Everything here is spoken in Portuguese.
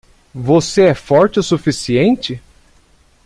Você é forte o suficiente?